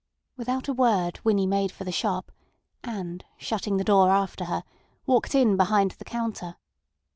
Without a word Winnie made for the shop, and shutting the door after her, walked in behind the counter.